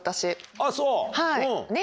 あっそう。